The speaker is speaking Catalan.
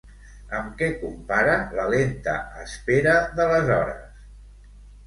Amb què compara la lenta espera de les hores?